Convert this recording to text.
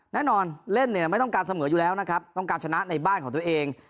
แน่นอนเล่นเนี่ยไม่ต้องการเสมออยู่แล้วนะครับต้องการชนะในบ้านของตัวเอง